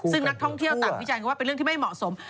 ซึ่งนักท่องเที่ยวต่างวิจารณ์ว่าเป็นเรื่องที่ไม่เหมาะสม